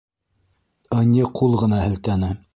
Ынйы ҡул ғына һелтәне.